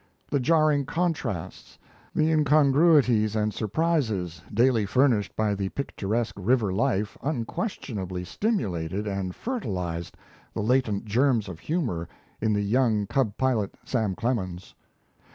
The jarring contrasts, the incongruities and surprises daily furnished by the picturesque river life unquestionably stimulated and fertilized the latent germs of humour in the young cub pilot, Sam Clemens.